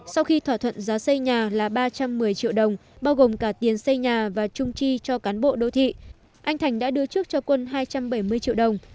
sau khi thỏa thuận giá xây nhà là ba trăm một mươi triệu đồng bao gồm cả tiền xây nhà và trung chi cho cán bộ đô thị anh thành đã đưa trước cho quân hai trăm bảy mươi triệu đồng